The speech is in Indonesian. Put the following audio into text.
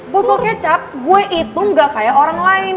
buku kecap gue itu gak kayak orang lain